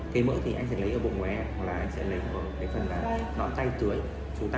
cấy mỡ thì anh sẽ lấy ở bụng ngoe hoặc là anh sẽ lấy ở cái phần đó tay tưới chú tay